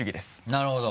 なるほど。